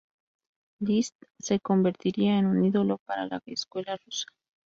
Liszt se convertiría en un ídolo para la escuela rusa.